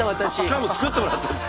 しかも作ってもらったんだ。